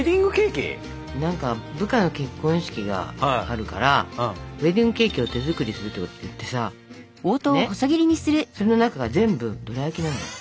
部下の結婚式があるからウエディングケーキを手作りするって言ってさその中が全部どら焼きなのよ。